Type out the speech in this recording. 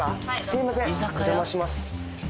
すいませんお邪魔します